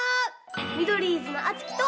ミドリーズのあつきと。